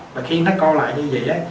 và khi nó co lại như vậy á